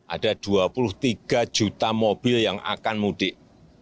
ada dua puluh tiga juta mobil yang akan mudik